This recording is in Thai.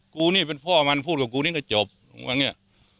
กูนี่เป็นพ่อมันพูดกับกูนี่ก็จบอย่างนี้